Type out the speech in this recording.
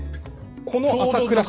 この朝倉氏。